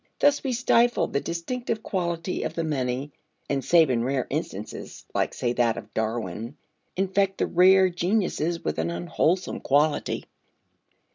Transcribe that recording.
Thus we stifle the distinctive quality of the many, and save in rare instances (like, say, that of Darwin) infect the rare geniuses with an unwholesome quality.